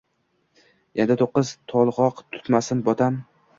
Endi to‘qqiz to‘lg‘oq tutmasin, bo‘tam.